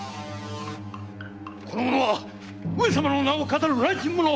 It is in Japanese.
この者は上様の名を騙る乱心者！